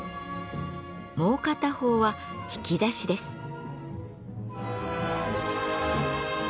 もう片方は引き出しです。